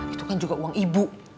itu kan juga uang ibu